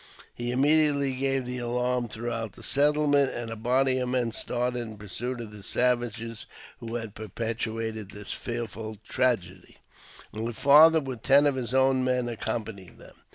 He immediately gave the alarm throughout the settlement, and a body of men started in pursuit of the savages who had perpetrated this fearful tragedy ; my father, with ten of his own men, accompanying them.